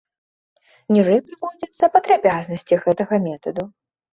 Ніжэй прыводзяцца падрабязнасці гэтага метаду.